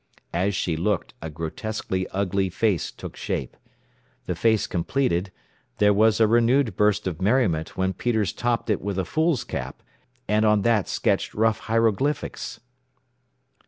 As she looked a grotesquely ugly face took shape. The face completed, there was a renewed burst of merriment when Peters topped it with a fool's cap, and on that sketched rough hieroglyphics.